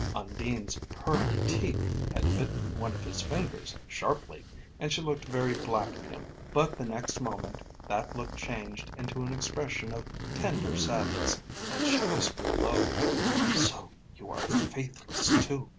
Undine's pearly teeth had bitten one of his fingers sharply, and she looked very black at him. But the next moment that look changed into an expression of tender sadness, and she whispered low: "So you are faithless too!"